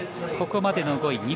ここまでの５位。